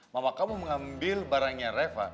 mama kamu mengambil barangnya reva